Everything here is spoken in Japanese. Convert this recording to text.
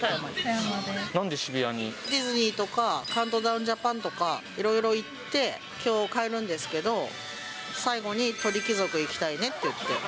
ディズニーとか、カウントダウンジャパンとか、いろいろ行って、きょう帰るんですけど、最後に鳥貴族行きたいねって言って。